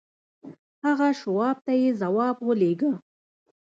هغه شواب ته يې ځواب ولېږه.